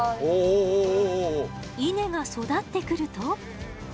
稲が育ってくると。